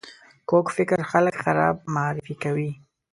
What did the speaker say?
کوږ فکر خلک خراب معرفي کوي